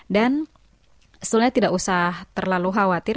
dan setelahnya tidak usah terlalu khawatir